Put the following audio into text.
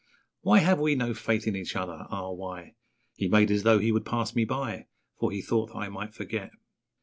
Why have we no faith in each other? Ah, why? He made as though he would pass me by, For he thought that I might forget.